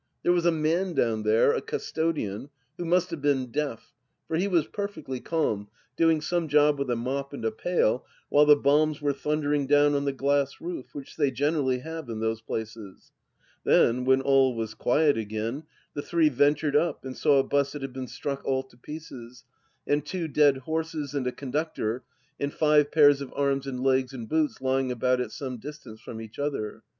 . There was a man down there, a custodian, who must have been deaf, for he was perfectly calm, doing some job with a mop and a pail while the bombs were thundering down on the glass roof, which they generally have in those places. Then, when all was quiet again, the three ventured up and saw a bus that had been struck all to pieces, and two dead horses and a conductor and five pairs of arms and legs in boots lying about at some distance from each other.